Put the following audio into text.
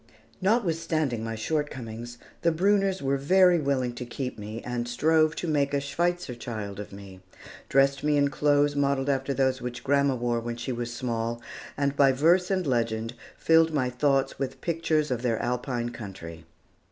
Notwithstanding my shortcomings, the Brunners were very willing to keep me, and strove to make a "Schweitzer child" of me, dressed me in clothes modelled after those which grandma wore when she was small, and by verse and legend filled my thoughts with pictures of their Alpine country.